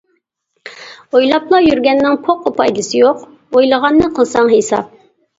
-ئويلاپلا يۈرگەننىڭ پوققا پايدىسى يوق، ئويلىغاننى قىلساڭ ھېساب.